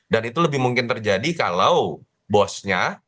dan itu lebih mungkin terjadi kalau bosnya